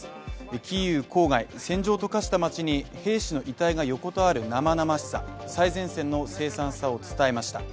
キーウ郊外、戦場と化した街に兵士の遺体が横たわる生々しさ、最前線の凄惨さを伝えました。